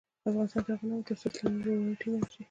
افغانستان تر هغو نه ابادیږي، ترڅو اسلامي ورورولي ټینګه نشي.